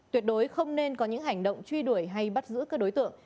tuyệt đối không nên có những hành động truy đuổi hay bắt giữ các đối tượng